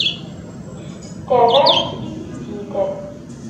Terram-tt i tissit.